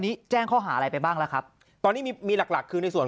นี้แจ้งเขาหาอะไรไปบ้างล่ะครับตอนนี้มีหลักคือในส่วน